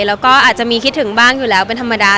แล้วก็อาจจะมีคิดถึงบ้างอยู่แล้วเป็นธรรมดา